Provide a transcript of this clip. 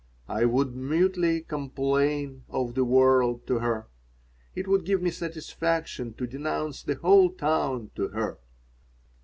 I would mutely complain of the world to her. It would give me satisfaction to denounce the whole town to her.